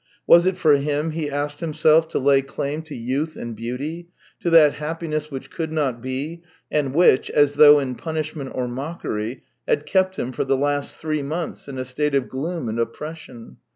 Was it for him, he asked himself, to lay claim to youth and beauty, to that happiness which could not be, and which, as though in punishment or mockery, had kept him for the last three months in a state of gloom and oppres sion.